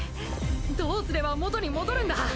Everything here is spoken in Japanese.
どうすれば元に戻るんだ？